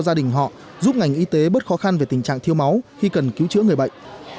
gia đình họ giúp ngành y tế bớt khó khăn về tình trạng thiếu máu khi cần cứu chữa người bệnh